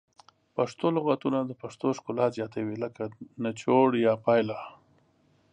پښتو لغتونه د پښتو ښکلا زیاتوي لکه نچوړ یا پایله